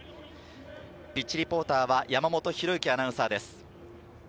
ピッチリポーターは山本アナウンサーです。